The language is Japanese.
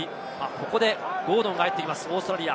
ここでゴードンが入ってきます、オーストラリア。